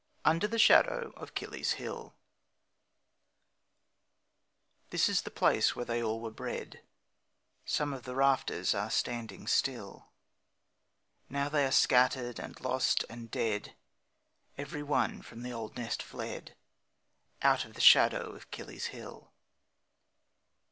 Under the Shadow of Kiley's Hill This is the place where they all were bred; Some of the rafters are standing still; Now they are scattered and lost and dead, Every one from the old nest fled, Out of the shadow of Kiley's Hill.